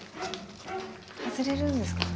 外れるんですか？